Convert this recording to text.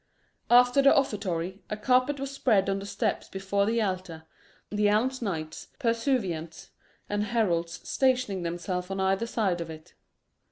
After the offertory, a carpet was spread on the steps before the altar, the alms knights, pursuivants, and heralds stationing themselves on either side of it.